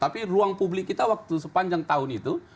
tapi ruang publik kita waktu sepanjang tahun itu